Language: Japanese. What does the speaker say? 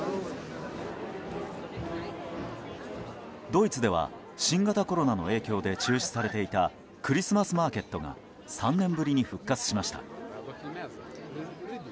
ドイツでは、新型コロナの影響で中止されていたクリスマスマーケットが３年ぶりに復活しました。